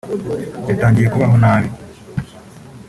yatangiye kubaho nabi